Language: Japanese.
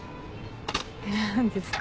何ですか？